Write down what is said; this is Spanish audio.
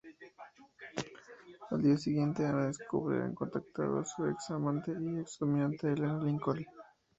Al día siguiente, Ana descubre ha contactado a su ex-amante y ex-dominante, Elena Lincoln.